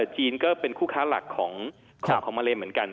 จีนก็เป็นคู่ค้าหลักของมาเลเหมือนกัน